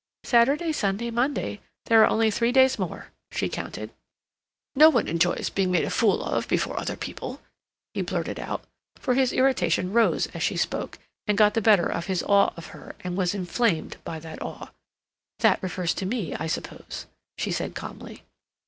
"Saturday, Sunday, Monday—there are only three days more," she counted. "No one enjoys being made a fool of before other people," he blurted out, for his irritation rose as she spoke, and got the better of his awe of her, and was inflamed by that awe. "That refers to me, I suppose," she said calmly.